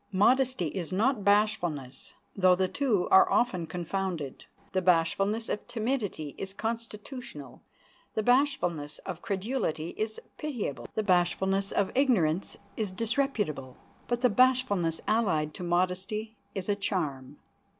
Modesty is not bashfulness, though the two are often confounded. The bashfulness of timidity is constitutional, the bashfulness of credulity is pitiable, the bashfulness of ignorance is disreputable, but the bashfulness allied to modesty is a charm.